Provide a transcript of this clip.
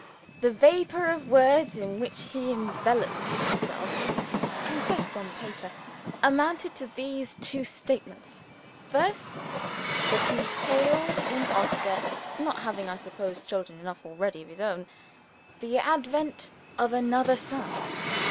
The vapor of words in which he enveloped himself (condensed on paper) amounted to these two statements. First, that he hailed in Oscar (not having, I suppose, children enough already of his own) the advent of another son.